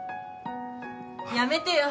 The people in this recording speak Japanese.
やめてよ。